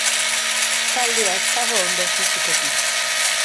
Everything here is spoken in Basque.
Talde ez dago ondo fisikoki.